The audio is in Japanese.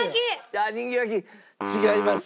ああ人形焼違います。